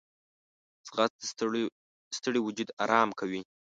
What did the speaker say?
ځغاسته د ستړي وجود آرام کوي